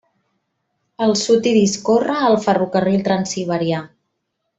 Al sud hi discorre el ferrocarril transsiberià.